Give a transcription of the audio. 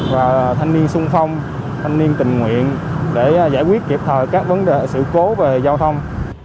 và thanh niên sung phong thanh niên tình nguyện để giải quyết kịp thời các vấn đề sự cố về giao thông